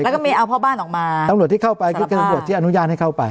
แล้วก็ไม่เอาพ่อบ้านออกมาตำรวจที่เข้าไปก็คือตำรวจที่อนุญาตให้เข้าไป